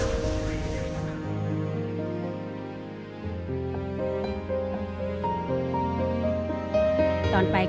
ไปชันที่เนียนเชียวก่อน